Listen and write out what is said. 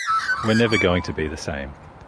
We’re never going to be the same.